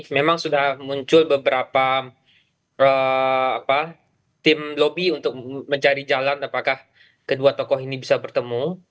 memang sudah muncul beberapa tim lobby untuk mencari jalan apakah kedua tokoh ini bisa bertemu